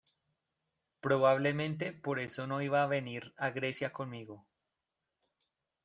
Probablemente por eso no iba a venir a Grecia conmigo.